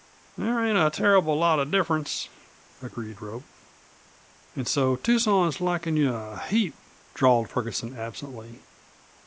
"There ain't a turruble lot of difference," agreed Rope. "An' so Tucson's likin' you a heap," drawled Ferguson absently.